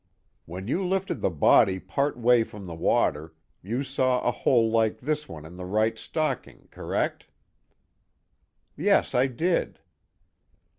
"When you lifted the body part way from the water, you saw a hole like this one in the right stocking, correct?" "Yes, I did."